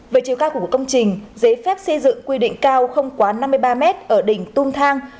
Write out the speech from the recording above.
về chiều cao của một công trình giấy phép xây dựng quy định cao không quá năm mươi ba mét ở đỉnh tung thang